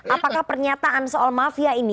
apakah pernyataan soal mafia ini